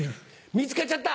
見つかっちゃった。